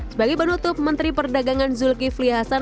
sebagai penutup menteri perdagangan zulkifli hasan